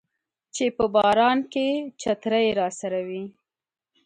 چې په باران کې چترۍ راسره وي